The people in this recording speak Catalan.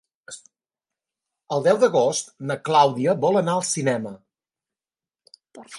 El deu d'agost na Clàudia vol anar al cinema.